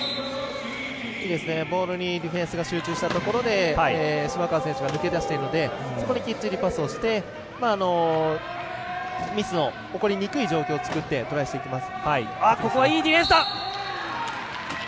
ボールにディフェンスが集中したところで島川選手が抜け出しているのでそこできっちりパスをしてミスの起こりにくい状況を作ってトライしていきます。